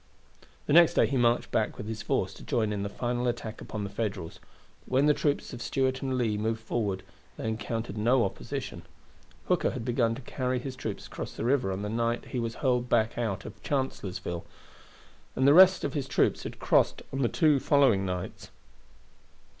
The next day he marched back with his force to join in the final attack upon the Federals; but when the troops of Stuart and Lee moved forward they encountered no opposition. Hooker had begun to carry his troops across the river on the night he was hurled back out of Chancellorsville, and the rest of his troops had crossed on the two following nights.